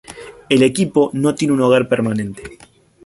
El equipo no tiene un hogar permanente.